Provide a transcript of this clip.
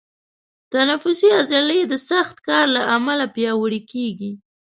تنفسي عضلې د سخت کار له امله پیاوړي کېږي.